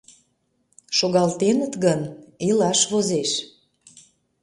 — Шогалтеныт гын, илаш возеш.